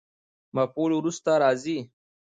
مفعول وروسته راځي.